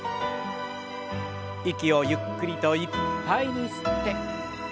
息をゆっくりといっぱいに吸って。